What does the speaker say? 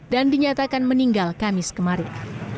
dan dinyatakan meninggal kamis kemarin